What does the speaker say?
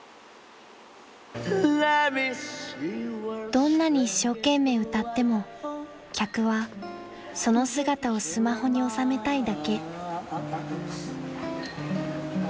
［どんなに一生懸命歌っても客はその姿をスマホに収めたいだけ］